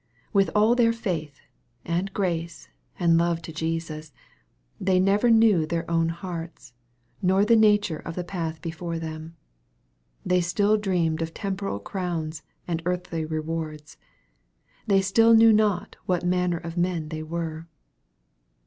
With all their faith, and grace, and love to Jesus, they neither knew their own hearts, nor the nature of the path before them. They still dreamed of temporal crowns, and earthly rewards. They still knew not what manner of men they were.